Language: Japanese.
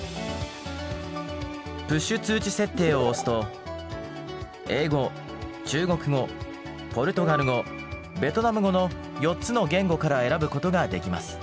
プッシュ通知設定を押すと英語中国語ポルトガル語ベトナム語の４つの言語から選ぶことができます。